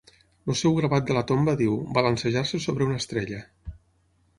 El seu gravat de la tomba diu: Balancejar-se sobre una estrella.